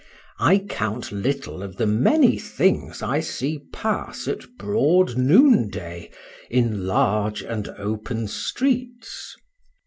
—I count little of the many things I see pass at broad noonday, in large and open streets.